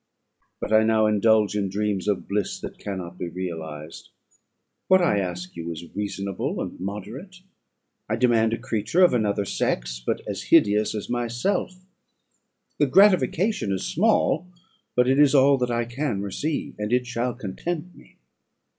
But I now indulge in dreams of bliss that cannot be realised. What I ask of you is reasonable and moderate; I demand a creature of another sex, but as hideous as myself; the gratification is small, but it is all that I can receive, and it shall content me.